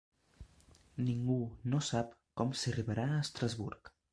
Ningú no sap com s'arribarà a Estrasburg